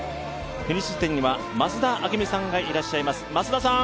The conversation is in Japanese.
フィニッシュ地点には増田明美さんがいらっしゃいます。